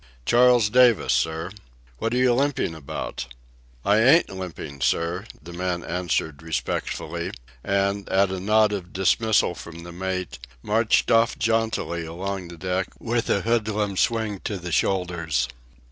"Charles Davis, sir." "What are you limping about?" "I ain't limpin', sir," the man answered respectfully, and, at a nod of dismissal from the mate, marched off jauntily along the deck with a hoodlum swing to the shoulders.